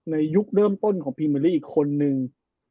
ในยุคเริ่มต้นของพี่เมลิกอีกคนนึง